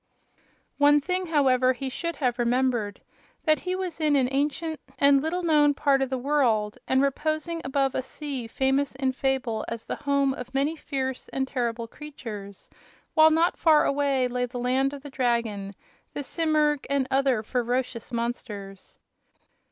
One thing, however, he should have remembered: that he was in an ancient and little known part of the world and reposing above a sea famous in fable as the home of many fierce and terrible creatures; while not far away lay the land of the dragon, the simurg and other ferocious monsters.